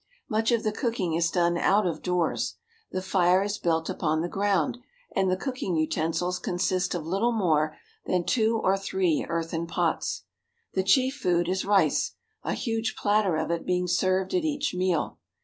Much of the cooking is done out of doors. The fire is built upon the ground, and the cooking utensils consist of little more than two or three earthen pots. The chief food is rice, a huge platter of it being served at each meal.